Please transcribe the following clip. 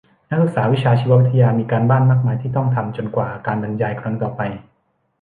นักศึกษาวิชาชีววิทยามีการบ้านมากมายที่ต้องทำจนกว่าการบรรยายครั้งต่อไป